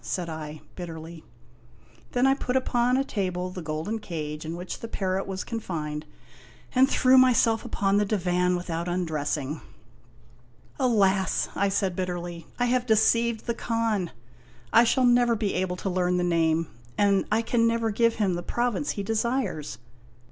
" said I, bitterly. Then I put upon a table the golden cage in which the parrot was confined, and threw myself upon the divan without undressing. " Alas !" I said bitterly, " I have deceived the Khan ! I shall never be able to learn the name and I can never give him the province he desires.